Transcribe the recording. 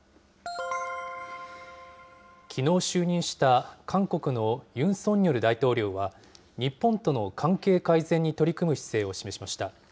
きのう就任した韓国のユン・ソンニョル大統領は、日本との関係改善に取り組む姿勢を示しました。